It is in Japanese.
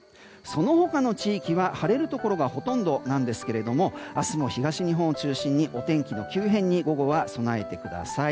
その他の地域は晴れるところがほとんどなんですけど明日も東日本を中心にお天気の急変に午後は備えてください。